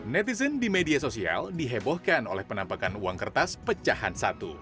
netizen di media sosial dihebohkan oleh penampakan uang kertas pecahan satu